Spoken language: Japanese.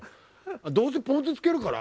どうせポン酢つけるから。